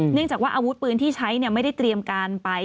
เนื่องจากว่าอาวุธปืนที่ใช้ไม่ได้เตรียมการไป